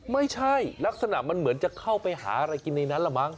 ไม่ใช่ลักษณะมันเหมือนจะเข้าไปหาอะไรกินในนั้นละมั